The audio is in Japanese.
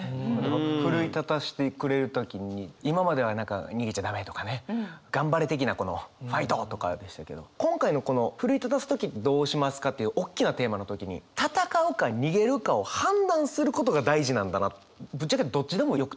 奮い立たしてくれる時に今までは何か「逃げちゃダメ」とかね頑張れ的なこの「ファイト！」とかでしたけど今回のこの奮い立たす時どうしますか？っていうおっきなテーマの時にぶっちゃけどっちでもよくて。